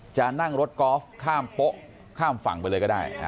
จะนั่งรถกอล์ฟข้ามโป๊ะข้ามฝั่งไปเลยก็ได้